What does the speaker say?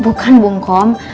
bukan bu ngom